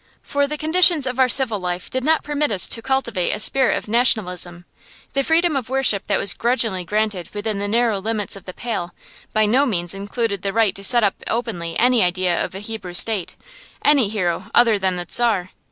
For the conditions of our civil life did not permit us to cultivate a spirit of nationalism. The freedom of worship that was grudgingly granted within the narrow limits of the Pale by no means included the right to set up openly any ideal of a Hebrew State, any hero other than the Czar.